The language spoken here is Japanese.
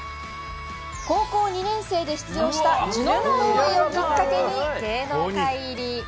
高校２年生で出場したジュノンボーイをきっかけに芸能界入り。